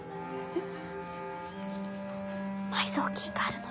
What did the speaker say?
うん。